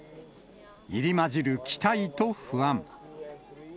入り交じる期待と不安。